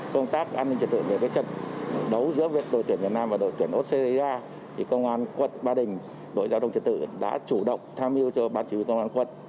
công tác an ninh trật tự để đấu giữa đội tuyển việt nam và đội tuyển úc xây ra công an quận ba đình đội giao thông trật tự đã chủ động tham dự cho bàn chỉ huy công an quận